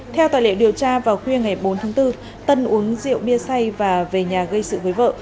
theo tài liệu điều tra vào khuya ngày bốn tháng bốn tân uống rượu bia xay và về nhà gây sự với vợ